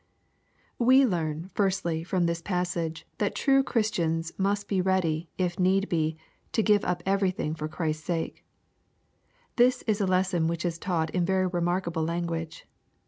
We learn, firstly, from this passage, that true Chris tians must be ready, if need 6e, to give up everything for Chrisfs sake. This is a lesson which is taught in very remarkable language.